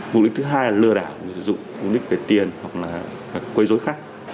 mục đích thứ hai là lừa đảo người dùng mục đích về tiền hoặc là quây dối khác